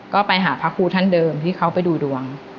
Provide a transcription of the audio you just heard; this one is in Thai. ก็ไปหาพระครูท่านเดิมที่เขาไปดูดวง